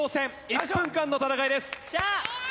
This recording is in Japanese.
１分間の戦いです。